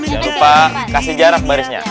jangan lupa kasih jarak barisnya